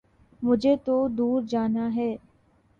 مجھے تو دور جانا ہے